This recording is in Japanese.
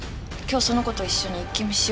今日その子と一緒に「イッキ見！」